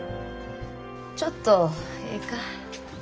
ちょっとええか。